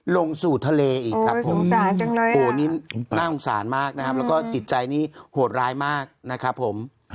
ลงสู่ทะเลอีกครับผมนี่น่าสงสารมากนะครับแล้วก็จิตใจนี่โหดร้ายมากนะครับผม